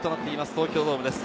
東京ドームです。